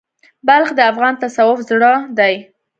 بلخ د افغان تصوف زړه دی.